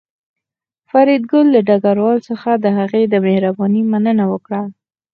فریدګل له ډګروال څخه د هغه د مهربانۍ مننه وکړه